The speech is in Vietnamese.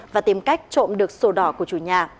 và tìm cách trộm được sổ đỏ của chủ nhà